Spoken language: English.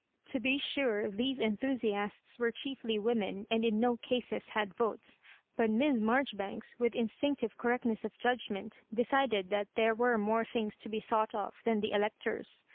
To be sure, these enthusiasts were chiefly women, and in no cases had votes; but Miss Marjoribanks, with instinctive correctness of judgpoient, decided that there were more things to be thought of than the electors.